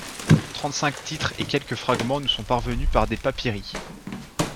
Trente-cinq titres et quelques fragments nous sont parvenus par des papyrii.